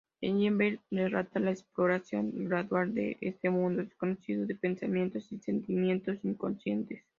Ellenberger relata la exploración gradual de este mundo desconocido de pensamiento y sentimiento inconsciente.